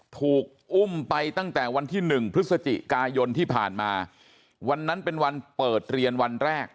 ถูกอุ้มไปตั้งแต่วันที่หนึ่งพฤศจิกายนที่ผ่านมาวันนั้นเป็นวันเปิดเรียนวันแรก